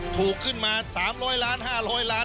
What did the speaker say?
ถูกขึ้นมา๓๐๐ล้าน๕๐๐ล้าน